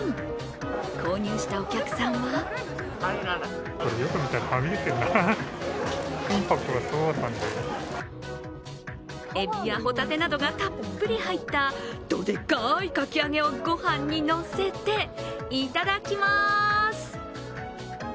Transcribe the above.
購入したお客さんはえびやほたてなどがたっぷり入ったドデカいかき揚げをごはんにのせて、いただきます。